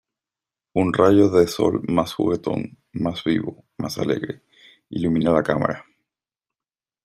un rayo de sol más juguetón, más vivo , más alegre , ilumina la cámara